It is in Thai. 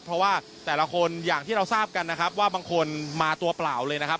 เพราะว่าแต่ละคนอย่างที่เราทราบกันนะครับว่าบางคนมาตัวเปล่าเลยนะครับ